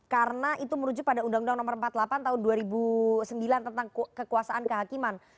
karena itu merujuk pada undang undang no empat puluh delapan tahun dua ribu sembilan tentang kekuasaan kehakiman